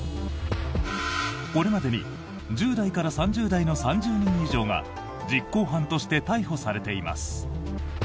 これまでに１０代から３０代の３０人以上が実行犯として逮捕されています。